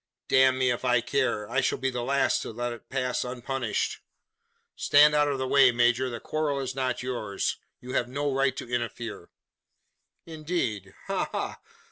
"Damn me if I care! I shall be the last to let it pass unpunished. Stand out of the way, major. The quarrel is not yours you have no right to interfere!" "Indeed! Ha! ha!